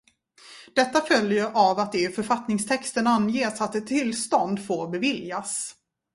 Detta följer av att det i författningstexten anges att ett tillstånd får beviljas.